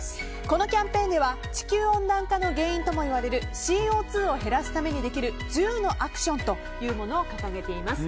このキャンペーンでは地球温暖化の原因ともいわれるＣＯ２を減らすためにできる１０のアクションというものを掲げています。